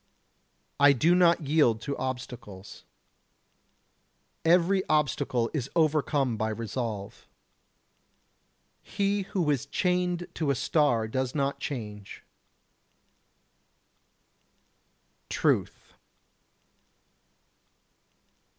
I do not yield to obstacles. Every obstacle is overcome by resolve. He who is chained to a star does not change. [Sidenote: Truth] 112.